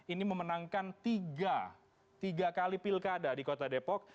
ini memenangkan tiga kali pilkada di kota depok